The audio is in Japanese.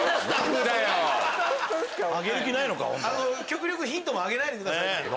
極力ヒントもあげないでくださいと。